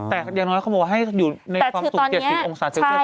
แต่อย่างน้อยเขาบอกว่าให้อยู่ในความสุข๗๐องศาเทียบสุดใด